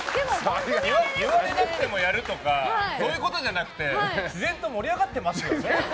言われなくてもやるとかそういうことじゃなくて自然と盛り上がってますよね？